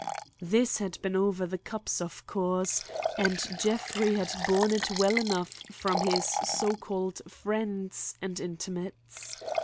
This had been over the cups of course, and Jeffrey had borne it well enough from his so called friends and intimates.